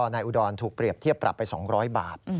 อุดรถูกเปรียบเทียบปรับไป๒๐๐บาท